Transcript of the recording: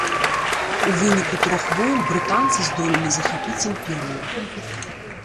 У выніку трох войн брытанцы здолелі захапіць імперыю.